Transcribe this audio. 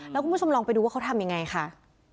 แล้วคุณผู้ชมลองไปดูว่าเขาทำยังไงค่ะ